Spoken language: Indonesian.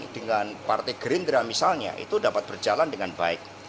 dengan partai gerindra misalnya itu dapat berjalan dengan baik